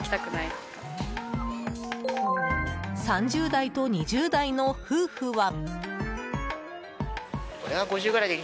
３０代と２０代の夫婦は。